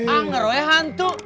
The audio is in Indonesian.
anger ya hantu